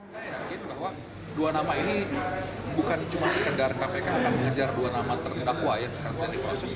saya yakin bahwa dua nama ini bukan cuma sekedar kpk akan mengejar dua nama terdakwa yang sekarang sedang diproses